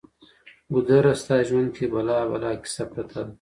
ګودره! ستا ژوند کې بلا بلا کیسه پرته ده